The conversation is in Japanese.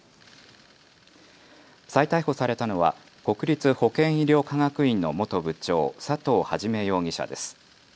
再逮捕されたのは国立保健医療科学院の元部長、佐藤元容疑者です。